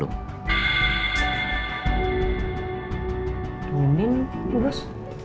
tungguin nih bu bos